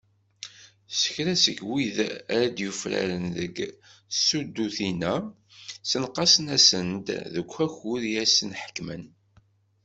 Kra seg wid ara d-yufraren deg tsuddutin-a, ssenqasen-asen-d seg wakud i asen-ḥekmen.